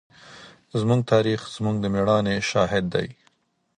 زموږ تاریخ زموږ د مېړانې شاهد دی.